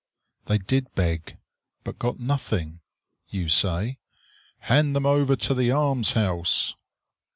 They did beg, but got nothing. You say: "Hand them over to the almshouse."